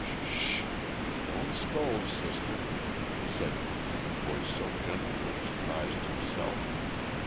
"Sh h h! Don't scold, sister," said he, in a voice so gentle it surprised himself.